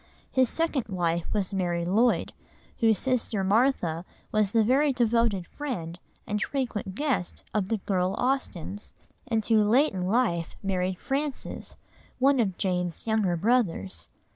His second wife was Mary Lloyd, whose sister Martha was the very devoted friend, and frequent guest, of the girl Austens, and who late in life married Francis, one of Jane's younger brothers.